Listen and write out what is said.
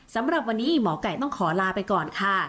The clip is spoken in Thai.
สำหรับวันนี้หมอไก่ต้องขอลาไปก่อนค่ะ